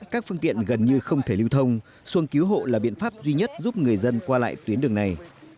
các phương tiện gần như không thể lưu thông xuông cứu hộ là biện pháp duy nhất giúp người dân qua lại tuyến đường này